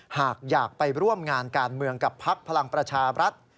หากอยากไปร่วมงานการเมืองกับพักพลังประชาบรัฐ